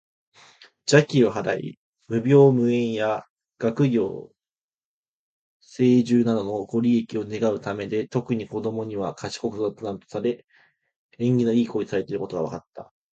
邪気を払い、無病息災や学業成就などのご利益を願うためで、特に子どもには「賢く育つ」とされ、縁起の良い行為とされていることが分かった。